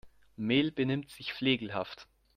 Mel benimmt sich flegelhaft.